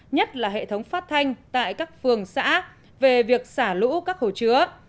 nhất là hệ thống phát thanh tại các phường xã về việc xả lũ các hồ chứa